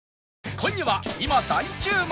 今夜は今大注目！